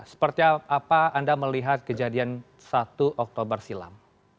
seperti apa anda melihat kejadian satu oktober silam